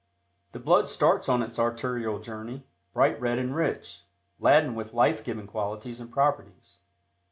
The blood starts on its arterial journey, bright red and rich, laden with life giving qualities and properties.